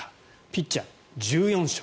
ピッチャー、１４勝。